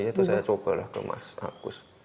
itu saya cobalah ke mas agus